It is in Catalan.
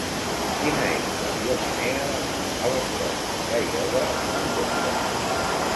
Quina és la millor manera d'anar a les Fonts d'Aiòder amb cotxe?